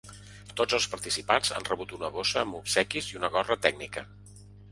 Tots els participants han rebut una bossa amb obsequis i una gorra tècnica.